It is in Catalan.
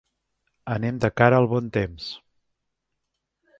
Anem de cara al bon temps.